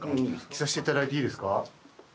着させて頂いていいですか？